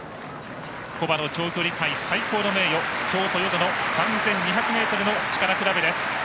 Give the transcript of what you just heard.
古馬の長距離界最高の名誉京都３２００ｍの力比べです。